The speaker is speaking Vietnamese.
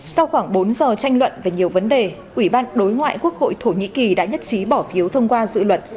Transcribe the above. sau khoảng bốn giờ tranh luận về nhiều vấn đề ủy ban đối ngoại quốc hội thổ nhĩ kỳ đã nhất trí bỏ phiếu thông qua dự luật